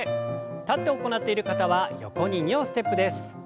立って行っている方は横に２歩ステップです。